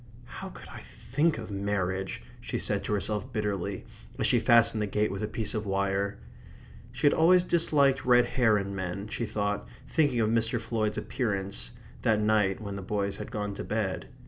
"How could I think of marriage!" she said to herself bitterly, as she fastened the gate with a piece of wire. She had always disliked red hair in men, she thought, thinking of Mr. Floyd's appearance, that night when the boys had gone to bed.